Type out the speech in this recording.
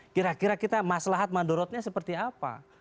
kira kira kita masalahat mandorotnya seperti apa